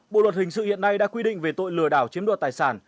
bộ luật hình sự hiện nay đã quy định về tội lừa đảo chiếm đoạt tài sản